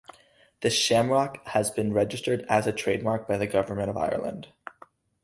The shamrock has been registered as a trademark by the Government of Ireland.